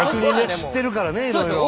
知ってるからねいろいろ。